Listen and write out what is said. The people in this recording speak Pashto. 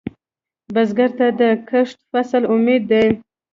بزګر ته د کښت فصل امید دی